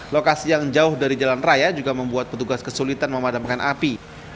lokasi yang jauh dari jalan raya juga membuat petugas kesulitan memadamkan api